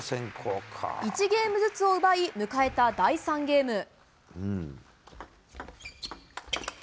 １ゲームずつを奪い迎えた第３ゲーム。